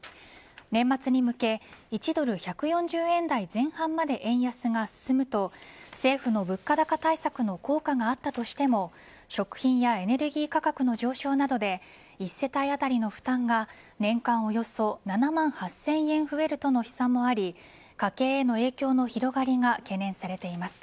年末に向け１ドル１４０円台前半まで円安が進むと政府の物価高対策の効果があったとしても食品やエネルギー価格の上昇などで１世帯当たりの負担が年間およそ７万８０００円増えるとの試算もあり家計への影響の広がりが懸念されています。